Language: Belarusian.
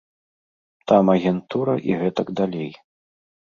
Там агентура і гэтак далей.